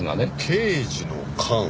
刑事の勘？